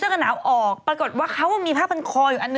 เขาก็เลยเอาออก